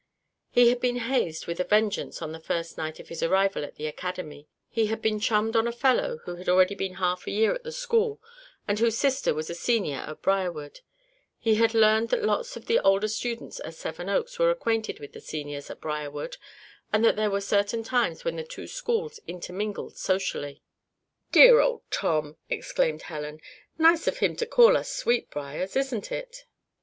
He had been hazed with a vengeance on the first night of his arrival at the Academy; he had been chummed on a fellow who had already been half a year at the school and whose sister was a Senior at Briarwood; he had learned that lots of the older students at Seven Oaks were acquainted with the Seniors at Briarwood, and that there were certain times when the two schools intermingled socially. "Dear old Tom!" exclaimed Helen. "Nice of him to call us 'Sweetbriars'; isn't it?